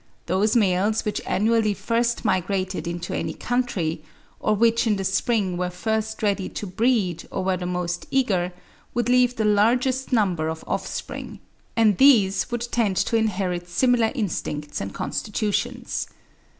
Those males which annually first migrated into any country, or which in the spring were first ready to breed, or were the most eager, would leave the largest number of offspring; and these would tend to inherit similar instincts and constitutions.